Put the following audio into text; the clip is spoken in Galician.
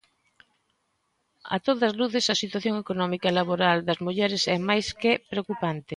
A todas luces a situación económica e laboral das mulleres é máis que preocupante.